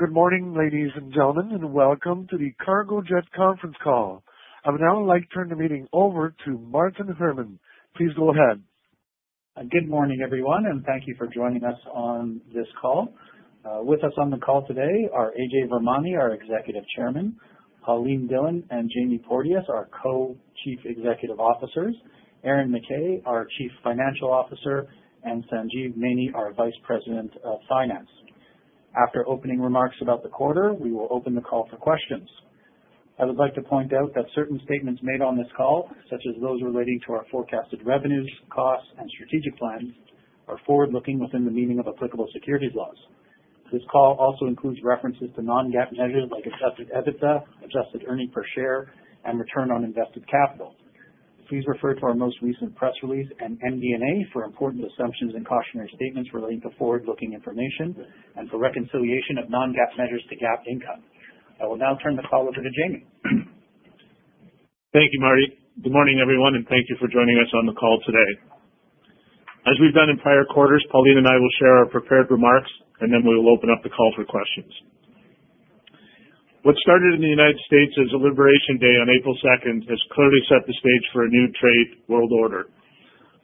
Good morning, ladies and gentlemen, and welcome to the Cargojet Conference Call. I would now like to turn the meeting over to Martin Herman. Please go ahead. Good morning, everyone, and thank you for joining us on this call. With us on the call today are A. J. Vermani, our Executive Chairman, Pauline Dillon and Jamie Porteous, our Co-Chief Executive Officers, Aaron McKay, our Chief Financial Officer, and Sanjeev Maini, our Vice President of Finance. After opening remarks about the quarter, we will open the call for questions. I would like to point out that certain statements made on this call, such as those relating to our forecasted revenues, costs, and strategic plans, are forward-looking within the meaning of applicable securities laws. This call also includes references to non-GAAP measures like adjusted EBITDA, adjusted earnings per share, and return on invested capital. Please refer to our most recent press release and MD&A for important assumptions and cautionary statements relating to forward-looking information and for reconciliation of non-GAAP measures to GAAP income. I will now turn the call over to Jamie. Thank you, Marty. Good morning, everyone, and thank you for joining us on the call today. As we've done in prior quarters, Pauline and I will share our prepared remarks, and then we will open up the call for questions. What started in the United States as a Liberation Day on April 2 has clearly set the stage for a new trade world order.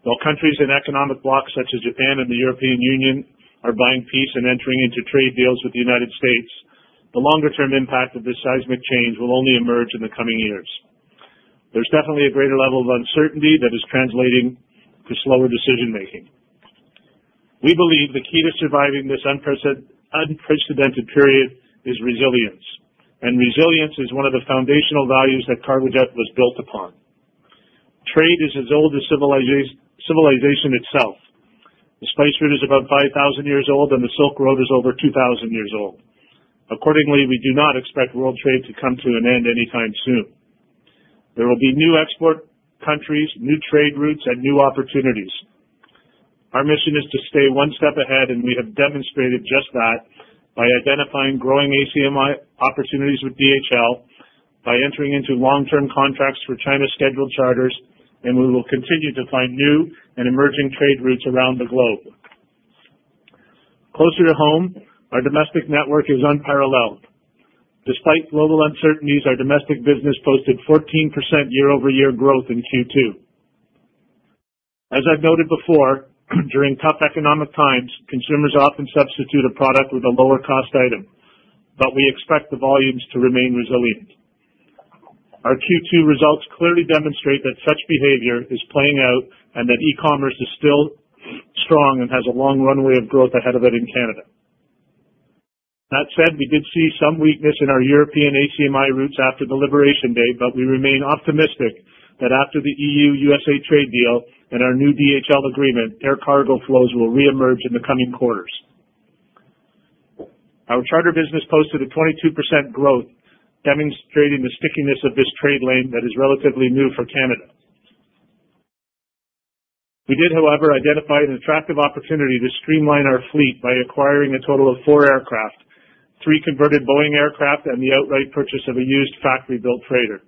While countries and economic blocs such as Japan and the European Union are buying peace and entering into trade deals with the United States, the longer-term impact of this seismic change will only emerge in the coming years. There's definitely a greater level of uncertainty that is translating to slower decision-making. We believe the key to surviving this unprecedented period is resilience, and resilience is one of the foundational values that Cargojet was built upon. Trade is as old as civilization itself. Displacement is about 5,000 years old, and the Silk Road is over 2,000 years old. Accordingly, we do not expect world trade to come to an end anytime soon. There will be new export countries, new trade routes, and new opportunities. Our mission is to stay one step ahead, and we have demonstrated just that by identifying growing ACMI opportunities with DHL, by entering into long-term contracts for China's scheduled charters, and we will continue to find new and emerging trade routes around the globe. Closer to home, our domestic network is unparalleled. Despite global uncertainties, our domestic business posted 14% year-over-year growth in Q2. As I've noted before, during tough economic times, consumers often substitute a product with a lower-cost item, but we expect the volumes to remain resilient. Our Q2 results clearly demonstrate that such behavior is playing out and that e-commerce is still strong and has a long runway of growth ahead of it in Canada. That said, we did see some weakness in our European ACMI routes after the Liberation Day, but we remain optimistic that after the EU USA trade deal and our new DHL agreement, air cargo flows will reemerge in the coming quarters. Our charter business posted a 22% growth, demonstrating the stickiness of this trade lane that is relatively new for Canada. We did, however, identify an attractive opportunity to streamline our fleet by acquiring a total of four aircraft, three converted Boeing aircraft, and the outright purchase of a used factory-built freighter.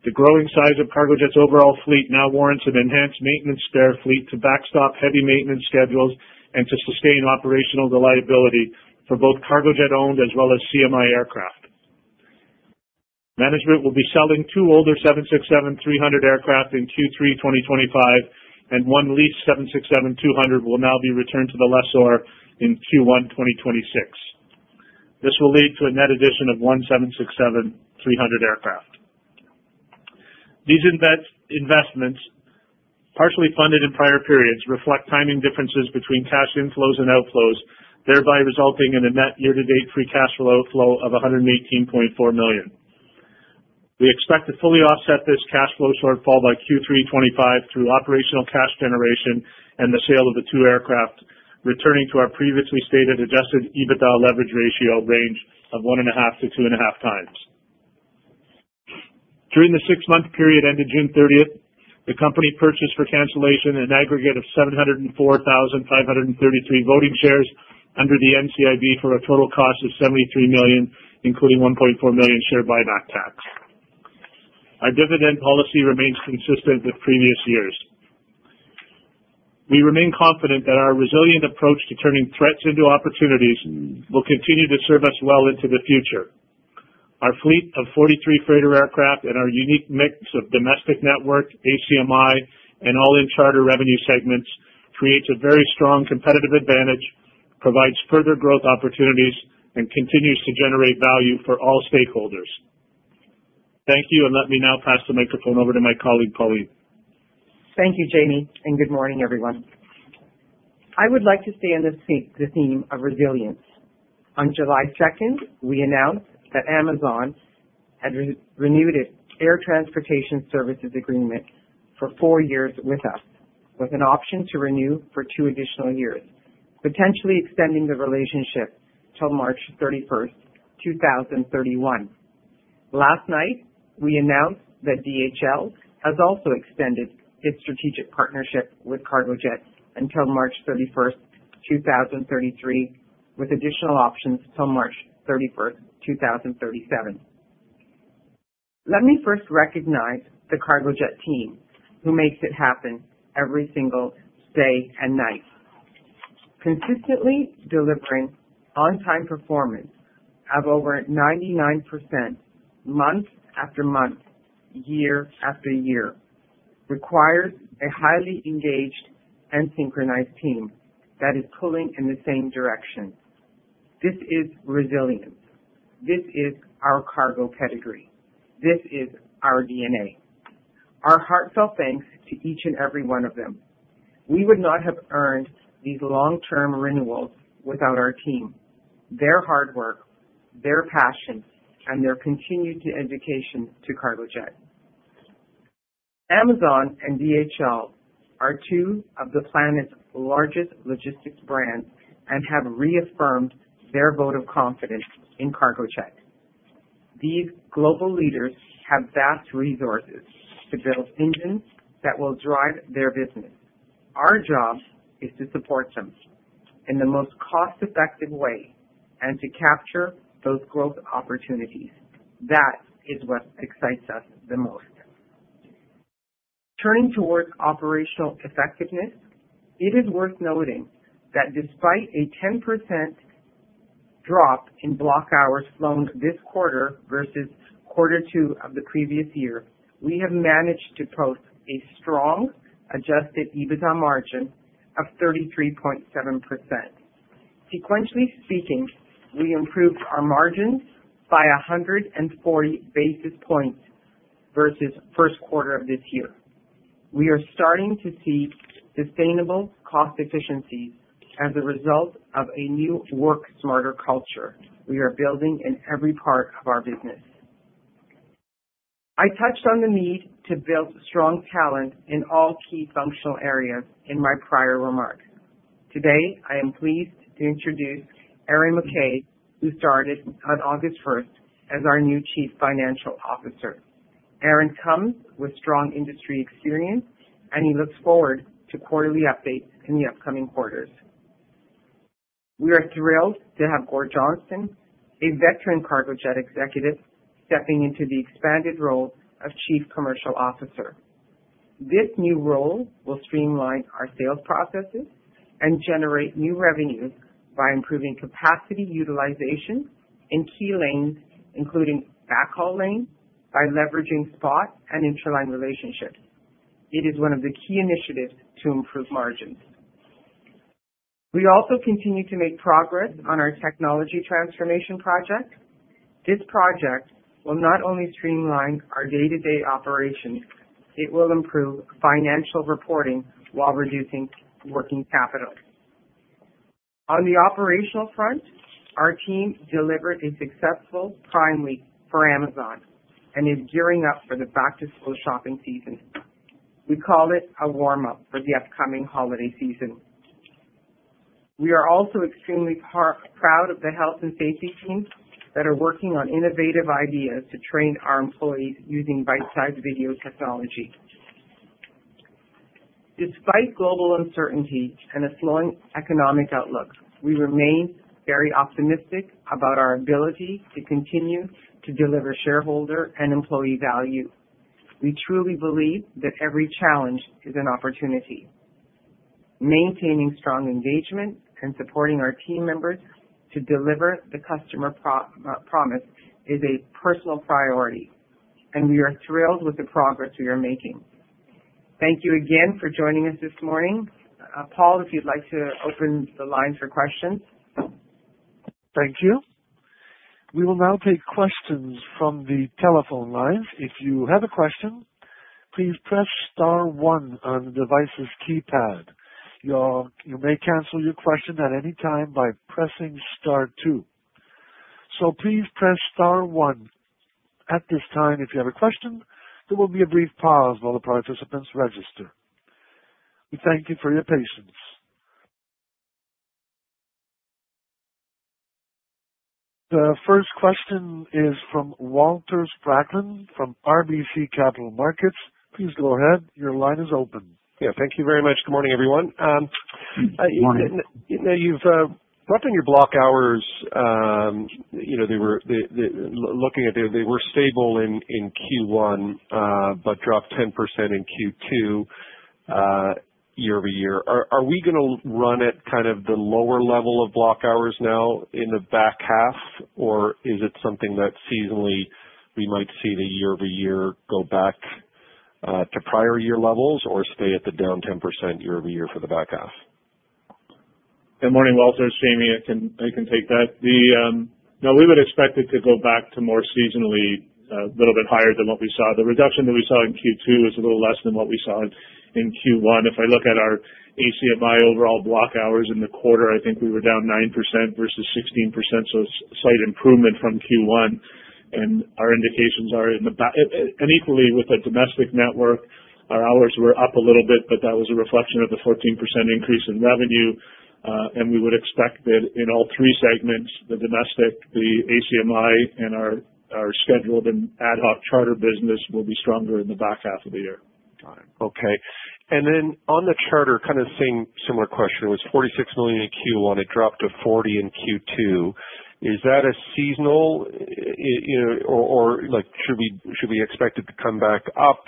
The growing size of Cargojet's overall fleet now warrants an enhanced maintenance spare fleet to backstop heavy maintenance schedules and to sustain operational reliability for both Cargojet-owned as well as ACMI aircraft. Management will be selling two older 767-300 aircraft in Q3 2025, and one leased 767-200 will now be returned to the lessor in Q1 2026. This will lead to a net addition of one 767-300 aircraft. These investments, partially funded in prior periods, reflect timing differences between cash inflows and outflows, thereby resulting in a net year-to-date free cash flow of $118.4 million. We expect to fully offset this cash flow shortfall by Q3 2025 through operational cash generation and the sale of the two aircraft, returning to our previously stated adjusted EBITDA leverage ratio range of 1.5x to 2.5x. During the six-month period ended June 30, the company purchased for cancellation an aggregate of 704,533 voting shares under the NCIB for a total cost of $73 million, including $1.4 million share buyback tax. Our dividend policy remains consistent with previous years. We remain confident that our resilient approach to turning threats into opportunities will continue to serve us well into the future. Our fleet of 43 freighter aircraft and our unique mix of domestic network, ACMI, and all-in charter revenue segments create a very strong competitive advantage, provide further growth opportunities, and continue to generate value for all stakeholders. Thank you, and let me now pass the microphone over to my colleague, Pauline. Thank you, Jamie, and good morning, everyone. I would like to stay in the theme of resilience. On July 2, we announced that Amazon had renewed its air transportation services agreement for four years with us, with an option to renew for two additional years, potentially extending the relationship till March 31, 2031. Last night, we announced that DHL has also extended its strategic partnership with Cargojet until March 31, 2033, with additional options till March 31, 2037. Let me first recognize the Cargojet team who makes it happen every single day and night. Consistently, delivering on-time performance of over 99% month after month, year after year, requires a highly engaged and synchronized team that is pulling in the same direction. This is resilience. This is our cargo pedigree. This is our DNA. Our heartfelt thanks to each and every one of them. We would not have earned these long-term renewals without our team, their hard work, their passion, and their continued dedication to Cargojet. Amazon and DHL are two of the planet's largest logistics brands and have reaffirmed their vote of confidence in Cargojet. These global leaders have vast resources to build engines that will drive their business. Our job is to support them in the most cost-effective way and to capture those growth opportunities. That is what excites us the most. Turning towards operational effectiveness, it is worth noting that despite a 10% drop in block hours flown this quarter versus quarter two of the previous year, we have managed to post a strong adjusted EBITDA margin of 33.7%. Sequentially speaking, we improved our margins by 140 basis points versus the first quarter of this year. We are starting to see sustainable cost efficiencies as a result of a new work smarter culture we are building in every part of our business. I touched on the need to build strong talent in all key functional areas in my prior remarks. Today, I am pleased to introduce Aaron McKay, who started on August 1 as our new Chief Financial Officer. Aaron comes with strong industry experience, and he looks forward to quarterly updates in the upcoming quarters. We are thrilled to have Gord Johnston, a veteran Cargojet Executive, stepping into the expanded role of Chief Commercial Officer. This new role will streamline our sales processes and generate new revenues by improving capacity utilization in key lanes, including backhaul lanes, by leveraging spot and interline relationships. It is one of the key initiatives to improve margins. We also continue to make progress on our technology transformation project. This project will not only streamline our day-to-day operations, it will improve financial reporting while reducing working capital. On the operational front, our team delivered a successful Prime Week for Amazon and is gearing up for the back-to-school shopping season. We call it a warm-up for the upcoming holiday season. We are also extremely proud of the health and safety teams that are working on innovative ideas to train our employees using bite-sized video technology. Despite global uncertainty and a slowing economic outlook, we remain very optimistic about our ability to continue to deliver shareholder and employee value. We truly believe that every challenge is an opportunity. Maintaining strong engagement and supporting our team members to deliver the customer promise is a personal priority, and we are thrilled with the progress we are making. Thank you again for joining us this morning. Paul, if you'd like to open the line for questions. Thank you. We will now take questions from the telephone line. If you have a question, please press star one on the device's keypad. You may cancel your question at any time by pressing star two. Please press star one at this time. If you have a question, there will be a brief pause while the participants register. We thank you for your patience. The first question is from Walter Spracklin from RBC Capital Markets. Please go ahead. Your line is open. Yeah, thank you very much. Good morning, everyone. Good morning. You've brought in your block hours. You know, they were looking at they were stable in Q1, but dropped 10% in Q2 year over year. Are we going to run at kind of the lower level of block hours now in the back half, or is it something that seasonally we might see the year over year go back to prior year levels or stay at the down 10% year over year for the back half? Good morning, Walter. It's Jamie. I can take that. No, we would expect it to go back to more seasonally a little bit higher than what we saw. The reduction that we saw in Q2 was a little less than what we saw in Q1. If I look at our ACMI overall block hours in the quarter, I think we were down 9% versus 16%, so a slight improvement from Q1. Our indications are in the back. Equally, with a domestic network, our hours were up a little bit, but that was a reflection of the 14% increase in revenue. We would expect that in all three segments, the domestic, the ACMI, and our scheduled and ad hoc charter business will be stronger in the back half of the year. Got it. Okay. On the charter, kind of the same similar question. It was $46 million in Q1. It dropped to $40 million in Q2. Is that a seasonal? You know, or like should we expect it to come back up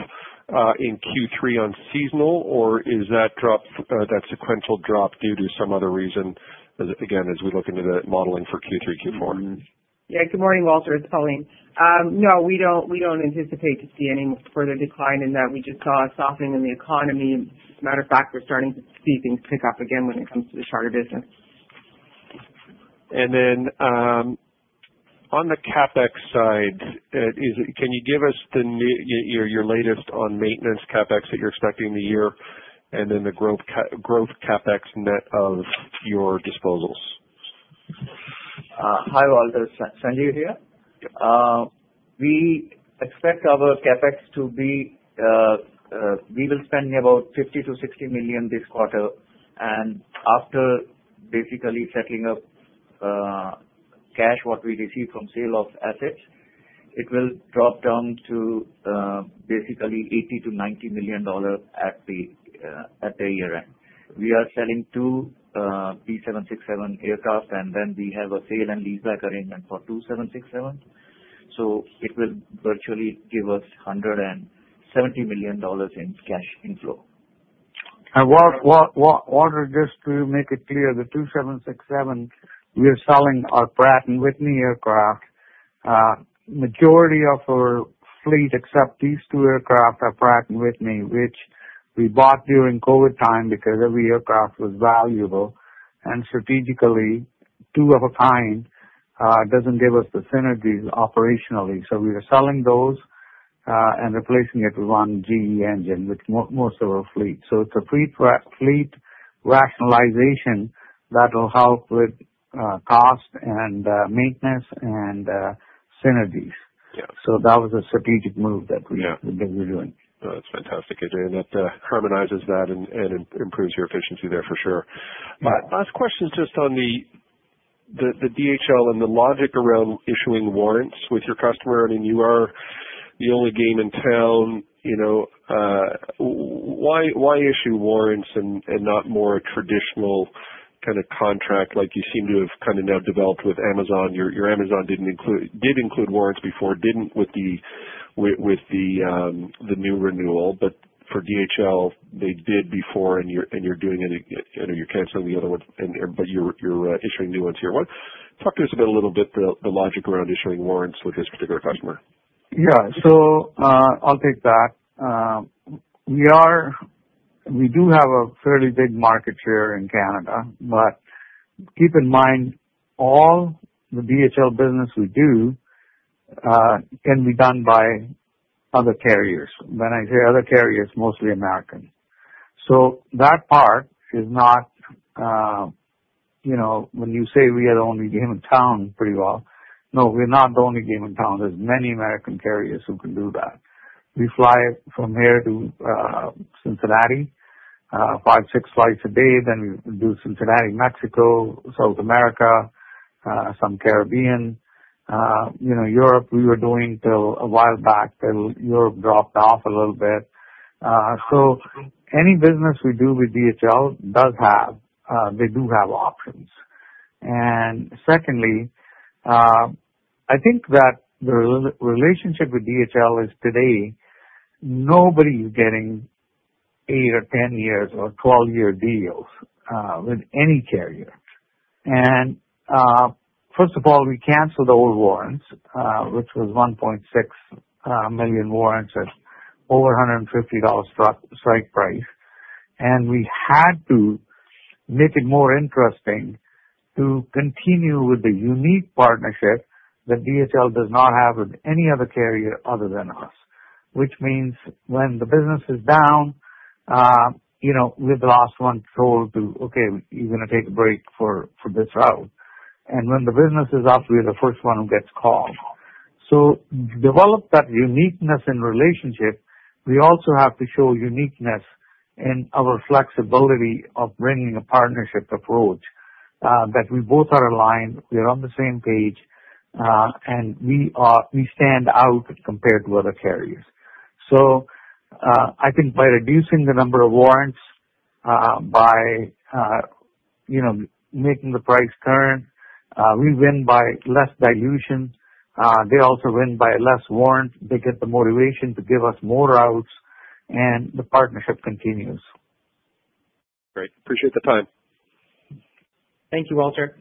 in Q3 on seasonal, or is that drop, that sequential drop, due to some other reason? Again, as we look into the modeling for Q3, Q4. Yeah, good morning, Walter. It's Pauline. No, we don't anticipate to see any further decline in that. We just saw a softening in the economy. As a matter of fact, we're starting to see things pick up again when it comes to the charter business. On the CapEx side, can you give us your latest on maintenance CapEx that you're expecting in the year, and then the growth CapEx net of your disposals? Hi, Walter. Sanjeev here. We expect our CapEx to be -- we will spend about $50 million to $60 million this quarter. After basically settling up cash, what we receive from sale of assets, it will drop down to basically $80 million to $90 million at the year end. We are selling two B767 aircraft, and then we have a sale and leaseback arrangement for two 767. It will virtually give us $170 million in cash inflow. I want to just make it clear the two 767, we are selling our Pratt & Whitney aircraft. Majority of our fleet, except these two aircraft, are Pratt & Whitney, which we bought during COVID time because every aircraft was valuable and strategically two of a kind. It doesn't give us the synergies operationally. We are selling those and replacing it with one GE engine with most of our fleet. It is a fleet rationalization that will help with cost and maintenance and synergies. That was a strategic move that we're doing. That's fantastic, Ajay, and that harmonizes that and improves your efficiency there for sure. My last question is just on the DHL and the logic around issuing warrants with your customer. I mean, you are the only game in town. You know, why issue warrants and not more traditional kind of contract like you seem to have kind of now developed with Amazon? Your Amazon did include warrants before, didn't with the new renewal, but for DHL, they did before, and you're doing it, and you're canceling the other one, but you're issuing new ones here. Talk to us about a little bit the logic around issuing warrants with this particular customer. Yeah. I'll take that. We do have a fairly big market share in Canada, but keep in mind, all the DHL business we do can be done by other carriers. When I say other carriers, mostly American. That part is not, you know, when you say we are the only game in town, pretty well. No, we're not the only game in town. There are many American carriers who can do that. We fly from here to Cincinnati, five, six flights a day. We do Cincinnati, Mexico, South America, some Caribbean. Europe, we were doing till a while back, till Europe dropped off a little bit. Any business we do with DHL does have, they do have options. Secondly, I think that the relationship with DHL is today, nobody is getting 8- or 10- or 12-year deals with any carrier. First of all, we canceled the old warrants, which was 1.6 million warrants at over $150 strike price. We had to make it more interesting to continue with the unique partnership that DHL does not have with any other carrier other than us, which means when the business is down, you know, we're the last one sold to, okay, you're going to take a break for this route. When the business is up, we are the first one who gets called. To develop that uniqueness in relationship, we also have to show uniqueness in our flexibility of bringing a partnership approach, that we both are aligned. We are on the same page, and we stand out compared to other carriers. I think by reducing the number of warrants, by making the price turn, we win by less dilution. They also win by less warrants. They get the motivation to give us more routes, and the partnership continues. Great. Appreciate the time. Thank you, Walter.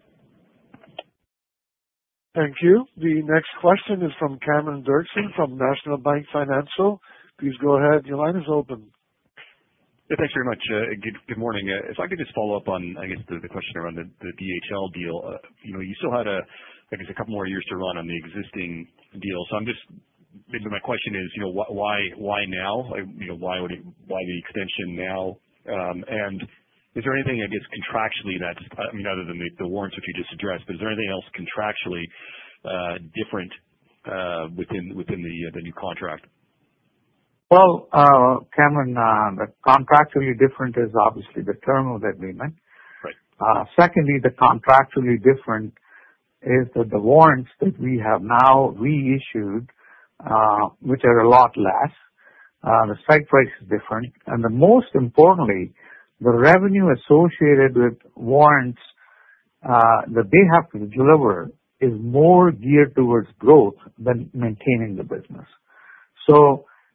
Thank you. The next question is from Cameron Doerksen from National Bank Financial. Please go ahead. Your line is open. Yeah, thanks very much. Good morning. If I could just follow up on the question around the DHL deal. You still had a couple more years to run on the existing deal. My question is, why now? Why the extension now, and is there anything contractually that, other than the warrants which you just addressed, is there anything else contractually different within the new contract? Cameron, the contractually different is obviously the term of the agreement. Right. Secondly, the contractually different is that the warrants that we have now reissued, which are a lot less. The strike price is different. And most importantly, the revenue associated with warrants, that they have to deliver is more geared towards growth than maintaining the business.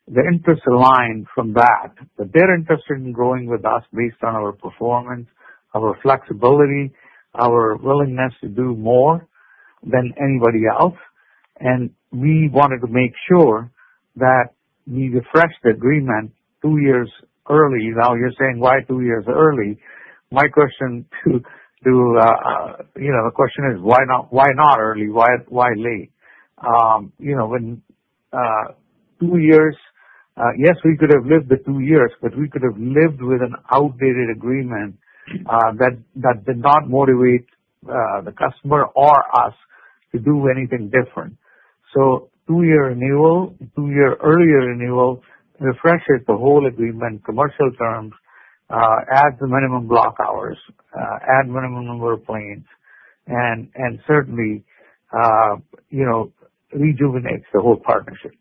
The interests align from that, but they're interested in growing with us based on our performance, our flexibility, our willingness to do more than anybody else. We wanted to make sure that we refreshed the agreement two years early. Now you're saying, why two years early? My question to, you know, the question is, why not, why not early? Why, why late? You know, two years, yes, we could have lived the two years, but we could have lived with an outdated agreement, that did not motivate the customer or us to do anything different. Two-year renewal, two-year earlier renewal, refreshes the whole agreement, commercial terms, adds the minimum block hours, add minimum number of planes, and certainly, you know, rejuvenates the whole partnership.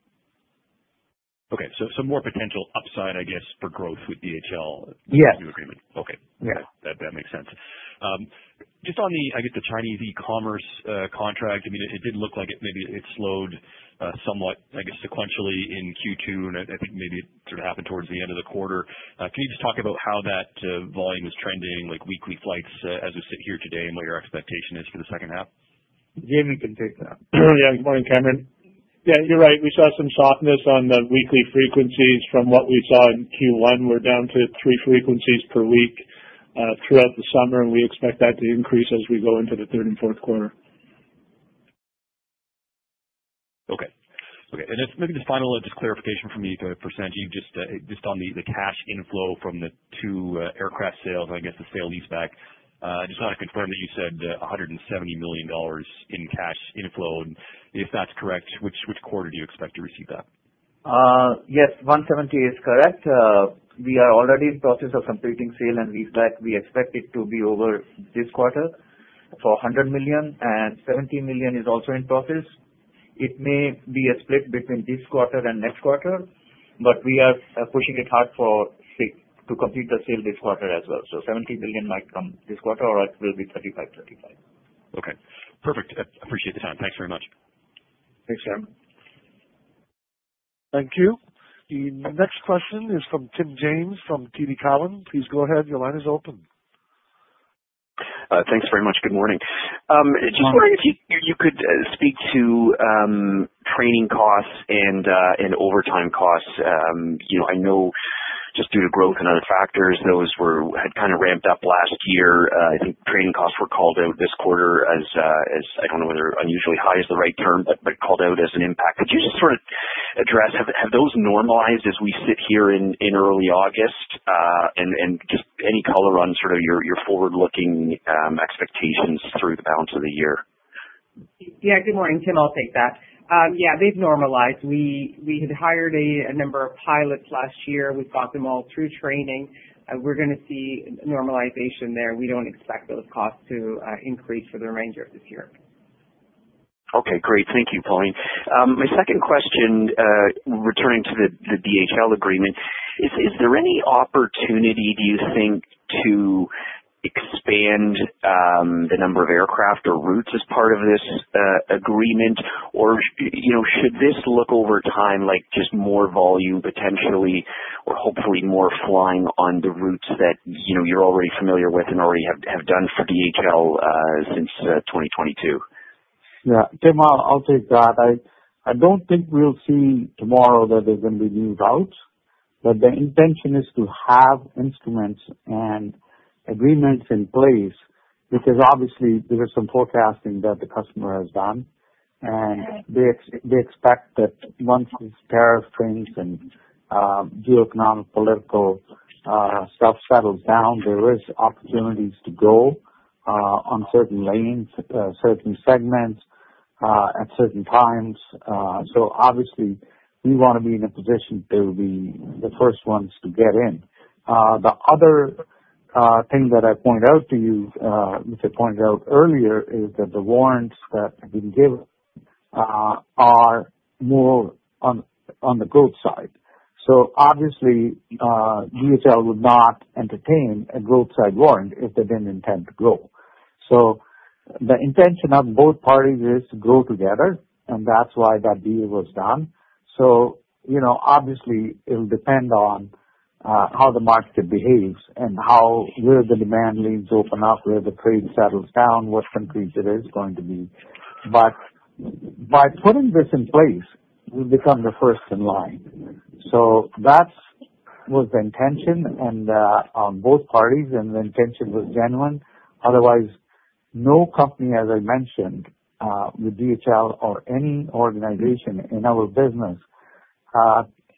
Okay, some more potential upside, I guess, for growth with DHL. Yes. New agreement. Okay. Yeah, that makes sense. Just on the, I guess, the Chinese e-commerce contract. I mean, it did look like maybe it slowed somewhat, I guess, sequentially in Q2. I think maybe it sort of happened towards the end of the quarter. Can you just talk about how that volume is trending, like weekly flights, as we sit here today and what your expectation is for the second half? Jamie, you can take that. Good morning, Cameron. Yeah, you're right. We saw some softness on the weekly frequencies from what we saw in Q1. We're down to three frequencies per week throughout the summer, and we expect that to increase as we go into the third and fourth quarter. Okay. Maybe just final, just clarification for me for Sanjeev, just on the cash inflow from the two aircraft sales, I guess, the sale leaseback. I just want to confirm that you said $170 million in cash inflow. If that's correct, which quarter do you expect to receive that? Yes, $170 million is correct. We are already in the process of completing sale and leaseback. We expect it to be over this quarter for $100 million, and $70 million is also in process. It may be a split between this quarter and next quarter, but we are pushing it hard to complete the sale this quarter as well. $70 million might come this quarter, or it will be $35 million, $35 million. Okay. Perfect. I appreciate the time. Thanks very much. Thanks, [Cameron]. Thank you. The next question is from Tim James from TD Cowen. Please go ahead. Your line is open. Thanks very much. Good morning. I just wanted to see if you could speak to training costs and overtime costs. I know just due to growth and other factors, those had kind of ramped up last year. I think training costs were called out this quarter as, I don't know whether unusually high is the right term, but called out as an impact. If you could just sort of address, have those normalized as we sit here in early August? Just any color on sort of your forward-looking expectations through the balance of the year? Good morning, Tim. I'll take that. They've normalized. We had hired a number of pilots last year. We've got them all through training. We're going to see normalization there. We don't expect those costs to increase for the remainder of this year. Okay. Great. Thank you, Pauline. My second question, returning to the DHL agreement, is there any opportunity, do you think, to expand the number of aircraft or routes as part of this agreement? Should this look over time like just more volume potentially, or hopefully more flying on the routes that you know you're already familiar with and already have done for DHL since 2022? Yeah. Tim, I'll take that. I don't think we'll see tomorrow that there's going to be new routes, but the intention is to have instruments and agreements in place because obviously, there's some forecasting that the customer has done. They expect that once these tariff frames and geo-economic political stuff settles down, there are opportunities to grow on certain lanes, certain segments, at certain times. We want to be in a position to be the first ones to get in. The other thing that I point out to you, which I pointed out earlier, is that the warrants that have been given are more on the growth side. DHL would not entertain a growth-side warrant if they didn't intend to grow. The intention of both parties is to grow together, and that's why that deal was done. It'll depend on how the market behaves and where the demand lanes open up, where the trade settles down, what countries it is going to be. By putting this in place, we become the first in line. That was the intention on both parties, and the intention was genuine. Otherwise, no company, as I mentioned, with DHL or any organization in our business,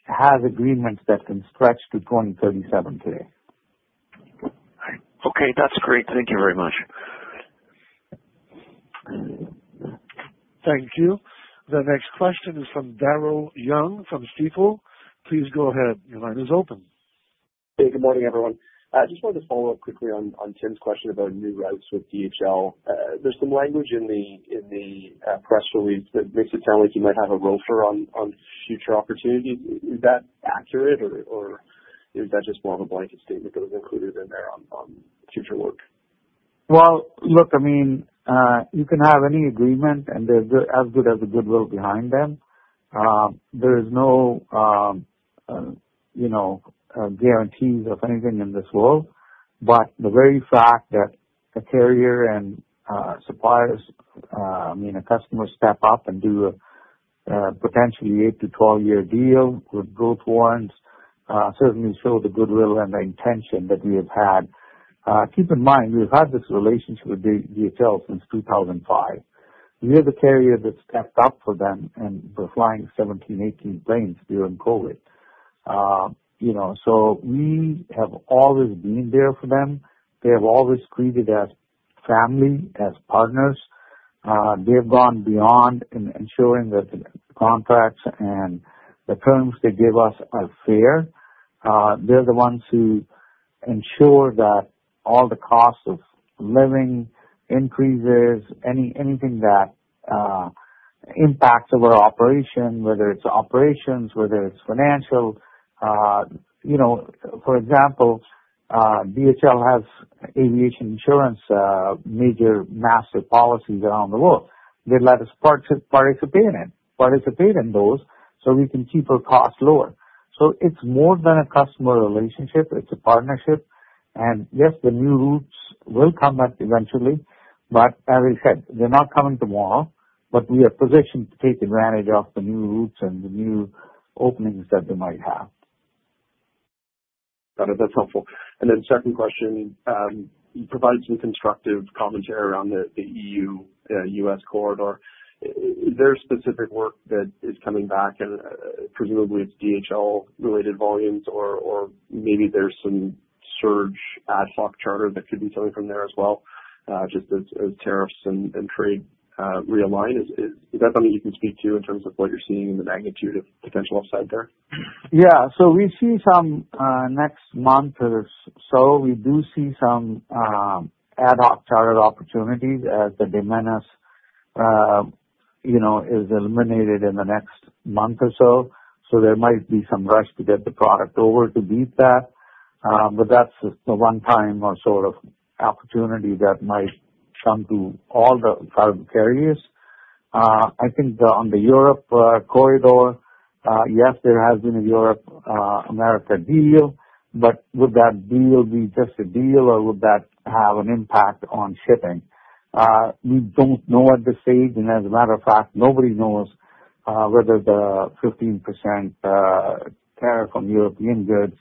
has agreements that can stretch to 2037 today. Okay. That's great. Thank you very much. Thank you. The next question is from Daryl Young from Stifel. Please go ahead. Your line is open. Hey, good morning, everyone. I just wanted to follow up quickly on Tim's question about new routes with DHL. There's some language in the press release that makes it sound like you might have a road for on future opportunity. Is that accurate, or is that just more of a blanket statement that was included in there on future work? I mean, you can have any agreement, and they're as good as the goodwill behind them. There are no guarantees of anything in this world. The very fact that a carrier and suppliers, I mean, a customer step up and do a potentially 8-12 year deal with growth warrants certainly shows the goodwill and the intention that we have had. Keep in mind, we've had this relationship with DHL since 2005. We are the carrier that stepped up for them, and we're flying 17, 18 planes during COVID. You know, we have always been there for them. They have always treated us as family, as partners. They've gone beyond in ensuring that the contracts and the terms they give us are fair. They're the ones who ensure that all the cost of living increases, anything that impacts our operation, whether it's operations, whether it's financial. For example, DHL has aviation insurance, major master policies around the world. They let us participate in those so we can keep our costs lower. It's more than a customer relationship. It's a partnership. Yes, the new routes will come back eventually. As I said, they're not coming tomorrow, but we are positioned to take advantage of the new routes and the new openings that they might have. Got it. That's helpful. My second question, you provided some constructive commentary around the EU USA corridor. Is there specific work that is coming back, and presumably it's DHL-related volumes, or maybe there's some surge ad hoc charter that could be coming from there as well, just as tariffs and trade realign? Is that something you can speak to in terms of what you're seeing in the magnitude of potential upside there? Yeah. We see some next month or so, we do see some ad hoc charter opportunities as the de minimis, you know, is eliminated in the next month or so. There might be some rush to get the product over to beat that. That's the one-time sort of opportunity that might come to all the five carriers. I think on the Europe corridor, yes, there has been a Europe-America deal. Would that deal be just a deal, or would that have an impact on shipping? We don't know at this stage. As a matter of fact, nobody knows whether the 15% tariff on European goods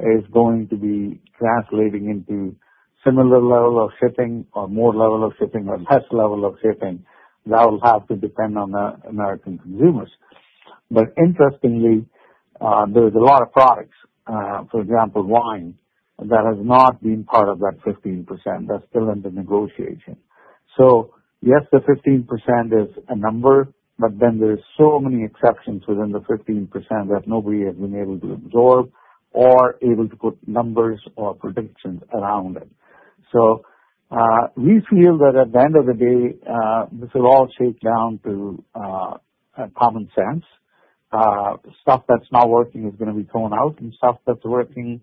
is going to be translating into a similar level of shipping or more level of shipping or less level of shipping. That will have to depend on the American consumers. Interestingly, there's a lot of products, for example, wine, that has not been part of that 15%. That's still under negotiation. Yes, the 15% is a number, but then there's so many exceptions within the 15% that nobody has been able to absorb or able to put numbers or predictions around it. We feel that at the end of the day, this will all shake down to common sense. Stuff that's not working is going to be thrown out, and stuff that's working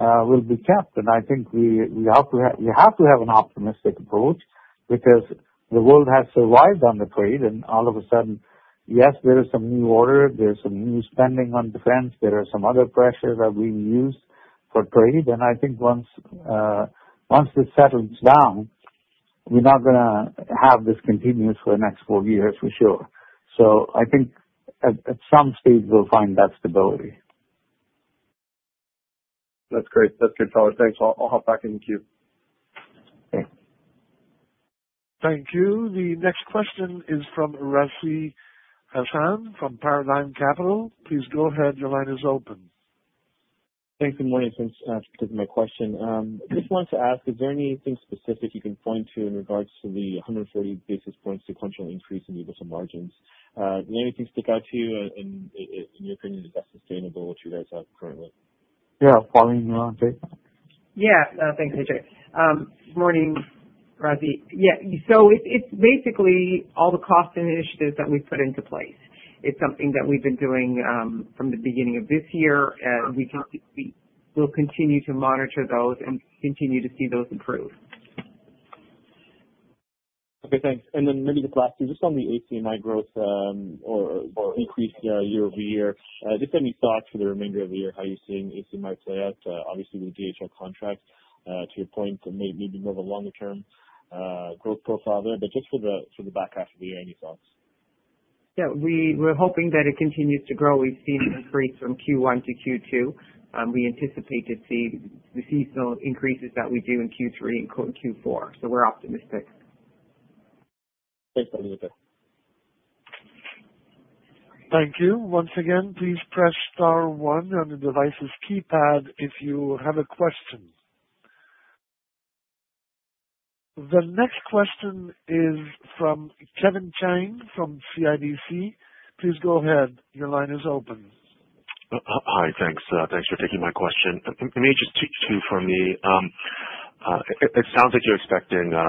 will be kept. I think we have to have an optimistic approach, because the world has survived on the trade. All of a sudden, yes, there is some new order. There's some new spending on defense. There are some other pressures that are being used for trade. I think once this settles down, we're not going to have this continuous for the next four years, for sure. I think at some stage, we'll find that stability. That's great. That's good color. Thanks. I'll hop back in the queue. Okay. Thank you. The next question is from Razi Hassan from Paradigm Capital. Please go ahead. Your line is open. Thanks for the morning, thanks for taking my question. I just wanted to ask, is there anything specific you can point to in regards to the 140 basis points sequential increase in EBITDA margins? Does anything stick out to you? In your opinion, is that sustainable, what you guys have currently? Yeah, Pauline, you want to take that? Yeah. Thanks, Ajay. Good morning, Razi. It's basically all the cost and initiatives that we put into place. It's something that we've been doing from the beginning of this year. We will continue to monitor those and continue to see those improve. Okay. Thanks. Maybe just lastly, just on the ACMI growth or increase, year over year, just any thoughts for the remainder of the year, how you're seeing ACMI play out? Obviously, with DHL contracts, to your point, maybe more of a longer-term growth profile there. Just for the back half of the year, any thoughts? Yeah, we're hoping that it continues to grow. We've seen increase from Q1 to Q2, and we anticipate to see the seasonal increases that we do in Q3 and Q4. We're optimistic. Thanks for the invite. Thank you. Once again, please press star one on the device's keypad if you have a question. The next question is from Kevin Chiang from CIBC. Please go ahead. Your line is open. Hi. Thanks. Thanks for taking my question. It may just be two from me. It sounds like you're expecting a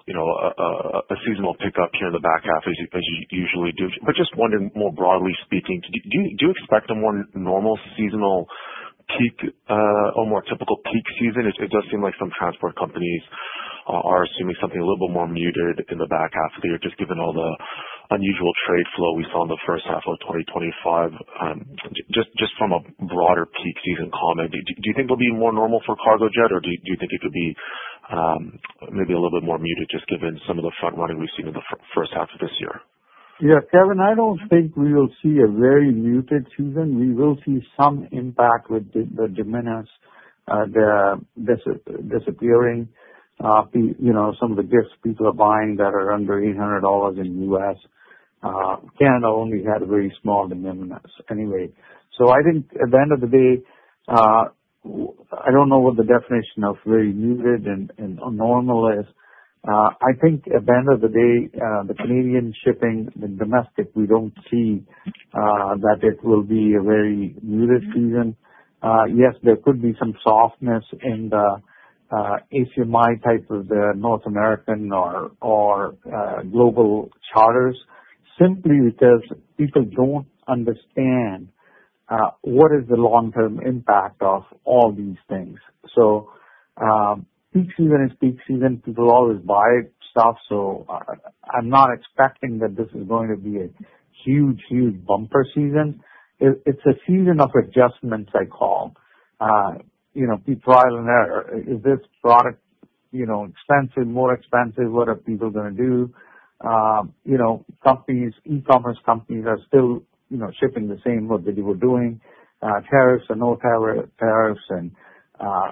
seasonal pickup here in the back half as you usually do. I just wonder, more broadly speaking, do you expect a more normal seasonal peak or more typical peak season? It does seem like some transport companies are assuming something a little bit more muted in the back half of the year, just given all the unusual trade flow we saw in the first half of 2025. Just from a broader peak season comment, do you think it'll be more normal for Cargojet, or do you think it could be maybe a little bit more muted, just given some of the front running we've seen in the first half of this year? Yeah. Kevin, I don't think we will see a very muted season. We will see some impact with the de minimis, the disappearing of some of the gifts people are buying that are under $800 in the U.S. Canada only had a very small de minimis anyway. I think at the end of the day, I don't know what the definition of very muted and normal is. I think at the end of the day, the Canadian shipping, the domestic, we don't see that it will be a very muted season. Yes, there could be some softness in the ACMI type of the North American or global charters simply because people don't understand what is the long-term impact of all these things. Peak season is peak season. People always buy stuff. I'm not expecting that this is going to be a huge, huge bumper season. It's a season of adjustments, I call. People trial and error. Is this product more expensive? What are people going to do? E-commerce companies are still shipping the same what they were doing. Tariffs are no tariffs.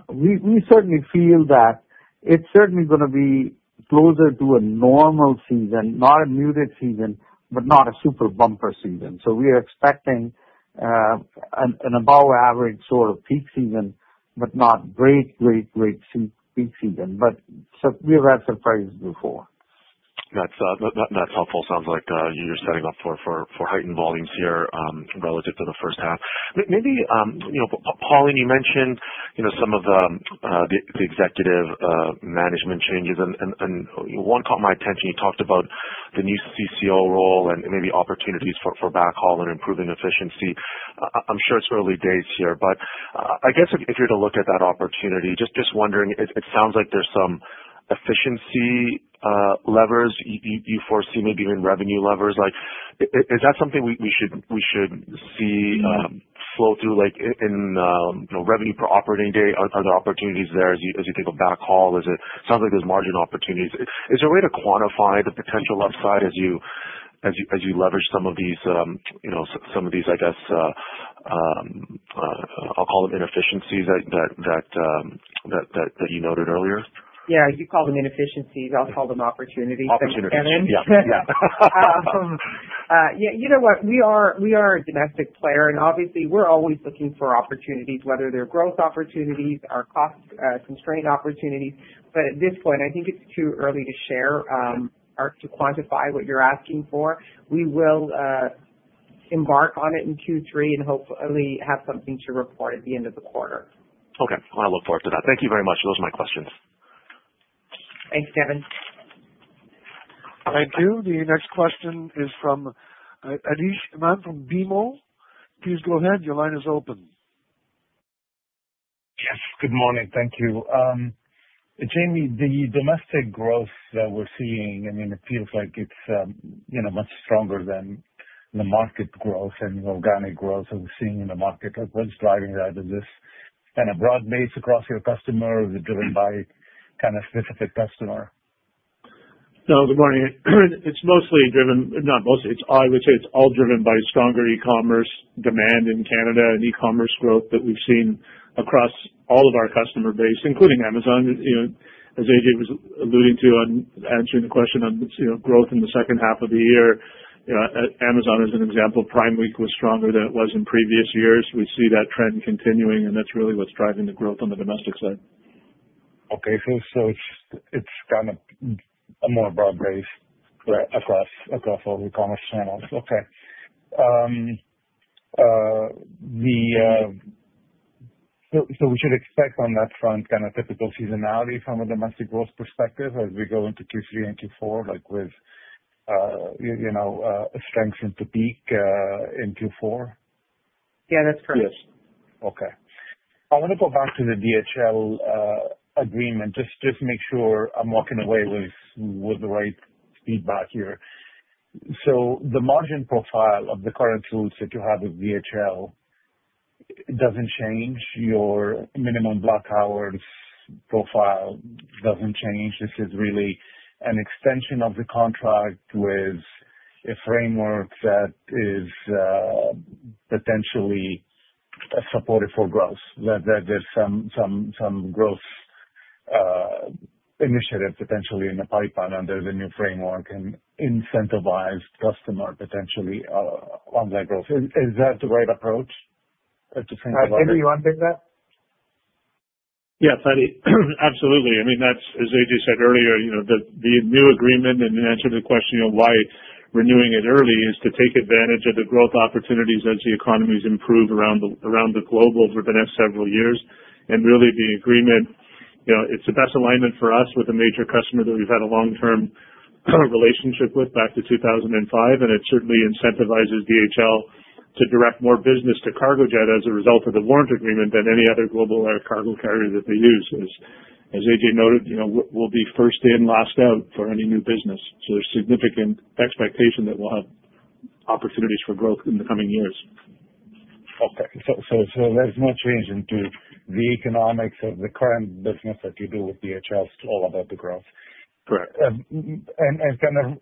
We certainly feel that it's certainly going to be closer to a normal season, not a muted season, but not a super bumper season. We are expecting an above-average sort of peak season, but not great, great, great peak season. We have had surprises before. That's helpful. It sounds like you're setting up for heightened volumes here relative to the first half. Pauline, you mentioned some of the executive management changes, and one caught my attention. You talked about the new CCO role and maybe opportunities for backhaul and improving efficiency. I'm sure it's early days here, but I guess if you were to look at that opportunity, just wondering, it sounds like there's some efficiency levers you foresee, maybe even revenue levers. Is that something we should see flow through? Like in revenue per operating day, are there opportunities there as you think of backhaul? It sounds like there's margin opportunities. Is there a way to quantify the potential upside as you leverage some of these, I guess, I'll call them inefficiencies that you noted earlier? Yeah, you call them inefficiencies. I'll call them opportunities. Opportunities. Yeah. You know what? We are a domestic player, and obviously, we're always looking for opportunities, whether they're growth opportunities or cost-constrained opportunities. At this point, I think it's too early to share or to quantify what you're asking for. We will embark on it in Q3 and hopefully have something to report at the end of the quarter. Okay, I want to look forward to that. Thank you very much. Those are my questions. Thanks, Kevin. Thank you. The next question is from Anish Aman from BMO. Please go ahead. Your line is open. Yes. Good morning. Thank you. Jamie, the domestic growth that we're seeing, I mean, it feels like it's much stronger than the market growth and organic growth that we're seeing in the market. What's driving that? Is this kind of broad-based across your customers or driven by kind of specific customer? Good morning. It's all driven by stronger e-commerce demand in Canada and e-commerce growth that we've seen across all of our customer base, including Amazon. As Ajay was alluding to on answering the question on growth in the second half of the year, Amazon is an example. Prime Week was stronger than it was in previous years. We see that trend continuing, and that's really what's driving the growth on the domestic side. Okay, it's kind of a more broad base. Right. Across all the e-commerce channels, we should expect on that front kind of typical seasonality from a domestic growth perspective as we go into Q3 and Q4, with a strengthened peak in Q4. Yeah, that's correct. Yes. Okay. I want to go back to the DHL agreement, just to make sure I'm walking away with the right feedback here. The margin profile of the current tools that you have with DHL doesn't change. Your minimum block hours profile doesn't change. This is really an extension of the contract with a framework that is potentially supportive for growth. There's some growth initiative potentially in the pipeline, and there's a new framework and incentivized customer potentially on that growth. Is that the right approach? Jamie, you want to take that? Yes, absolutely. I mean, that's, as Ajay said earlier, the new agreement, and you answered the question, you know, why renewing it early is to take advantage of the growth opportunities as the economies improve around the globe over the next several years. The agreement, you know, it's the best alignment for us with a major customer that we've had a long-term relationship with back to 2005. It certainly incentivizes DHL to direct more business to Cargojet as a result of the warrant agreement than any other global cargo carrier that they use. As Ajay noted, we'll be first in, last out for any new business. There's significant expectation that we'll have opportunities for growth in the coming years. Okay. There's much reason to the economics of the current business that you do with DHL is all about the growth. Correct. This international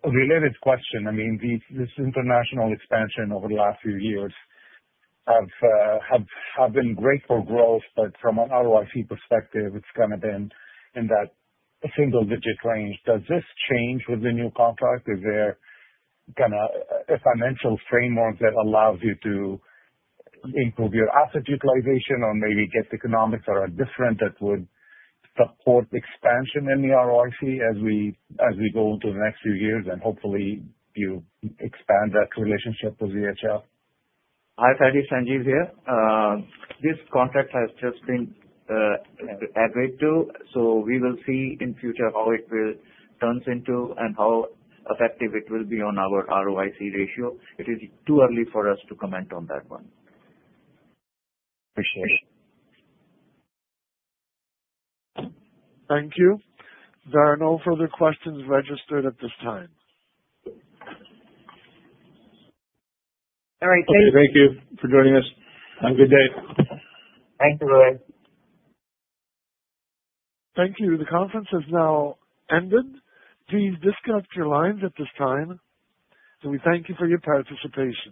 expansion over the last few years has been great for growth, but from an ROIC perspective, it's kind of been in that single-digit range. Does this change with the new contract? Is there a financial framework that allows you to improve your asset utilization or maybe get economics that are different that would support expansion in the ROIC as we go into the next few years and hopefully you expand that relationship with DHL? Hi, [Ashish, Sanjeev here. This contract has just been agreed to. We will see in the future how it turns into and how effective it will be on our ROIC ratio. It is too early for us to comment on that one. Appreciate it. Thank you. There are no further questions registered at this time. All right. Thank you for joining us. Have a good day. Thank you, everybody. Thank you. The conference has now ended. Please disconnect your lines at this time. We thank you for your participation.